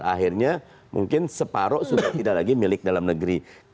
akhirnya mungkin separoh sudah tidak lagi milik dalam negeri